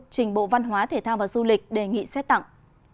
trình bộ văn hóa thể thao và du lịch đề nghị xét tặng